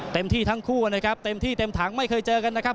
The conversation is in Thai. ที่ทั้งคู่นะครับเต็มที่เต็มถังไม่เคยเจอกันนะครับ